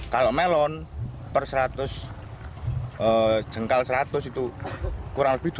kalau melon per seratus jengkal seratus itu kurang lebih dua ratus